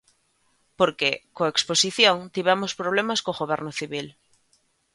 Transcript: Porque, coa exposición, tivemos problemas co Goberno Civil.